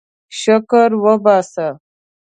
شکر وباسه.